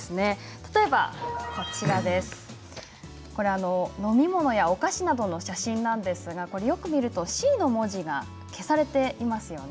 例えば、飲み物やお菓子などの写真ですが、よく見るとＣの文字が消されています。